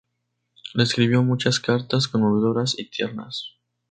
Le escribió muchas cartas conmovedoras y tiernas.